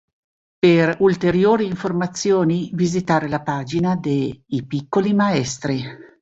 Per ulteriori informazioni visitare la pagina de "I Piccoli Maestri.